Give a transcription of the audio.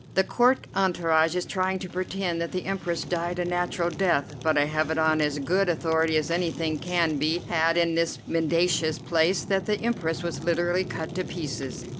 The Court entourage is trying to pretend that the Empress died a natural death, but I have it on as good authority as anything can be had in this mendacious place that the Empress was literally cut to pieces."